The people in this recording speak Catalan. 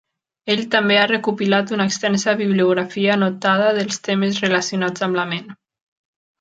Ell també ha recopilat una extensa "Bibliografia anotada de temes relacionats amb la ment".